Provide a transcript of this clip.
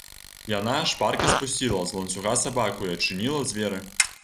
Яна шпарка спусціла з ланцуга сабаку і адчыніла дзверы.